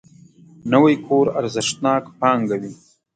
نوی کور ارزښتناک پانګه وي